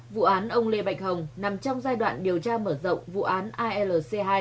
vụ án ông lê bạch hồng nằm trong giai đoạn điều tra mở rộng vụ án alc hai